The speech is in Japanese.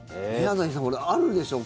朝日さん、あるでしょう？